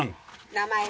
名前は？